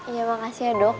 iya makasih ya dok